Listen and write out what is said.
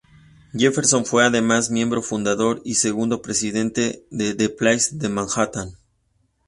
Jefferson fue además miembro fundador y segundo presidente del The Players de Manhattan.